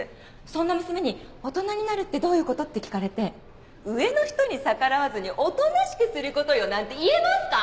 そんな娘に「大人になるってどういうこと？」って聞かれて「上の人に逆らわずにおとなしくすることよ」なんて言えますか？